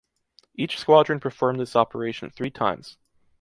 Each squadron performed this operation three times.